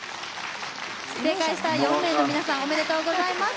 正解した４名の皆さんおめでとうございます。